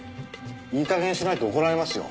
いい加減にしないと怒られますよ。